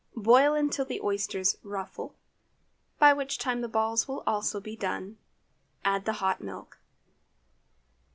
Boil until the oysters "ruffle," by which time the balls will also be done. Add the hot milk.